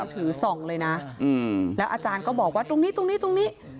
ถือส่องเลยนะแล้วอาจารย์ก็บอกว่าตรงนี้ตรงนี้ตรงนี้